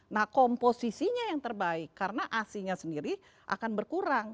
nah komposisinya yang terbaik karena asinya sendiri akan berkurang